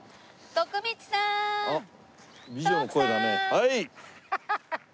はい。